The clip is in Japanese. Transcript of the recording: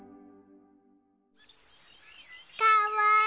かわいい！